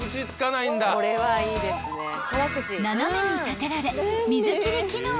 ［斜めに立てられ］